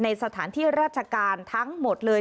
สถานที่ราชการทั้งหมดเลย